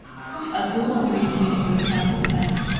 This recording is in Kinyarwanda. Azwiho kumenya ibintu bitandukanye.